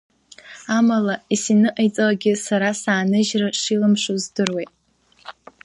Амала, есиныҟаиҵалакгьы сара сааныжьра шилымшо здыруеит!